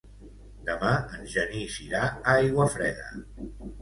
Demà en Genís irà a Aiguafreda.